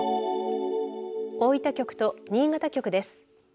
大分局と新潟局です。